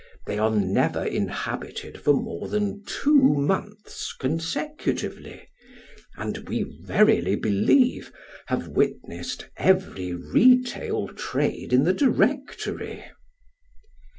They are never inhabited for more than two months consecu tively, and, we verily believe, have witnessed every retail trade in the Directory.